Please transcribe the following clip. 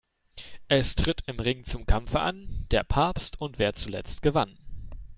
Es tritt im Ring zum Kampfe an: Der Papst und wer zuletzt gewann.